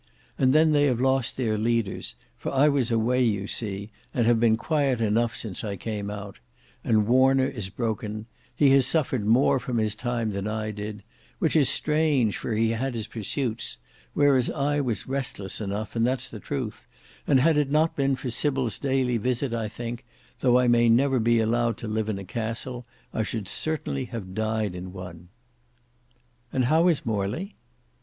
And then they have lost their leaders, for I was away you see, and have been quiet enough since I came out; and Warner is broken: he has suffered more from his time than I did; which is strange, for he had his pursuits; whereas I was restless enough, and that's the truth, and had it not been for Sybil's daily visit I think, though I may never be allowed to live in a castle, I should certainly have died in one." "And how is Morley?"